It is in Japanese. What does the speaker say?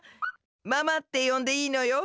ママってよんでいいのよ。